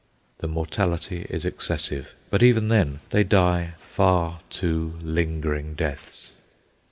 The mortality is excessive, but, even then, they die far too lingering deaths.